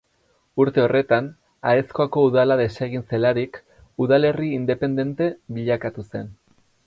Urte horretan, Aezkoako udala desegin zelarik, udalerri independente bilakatu zen.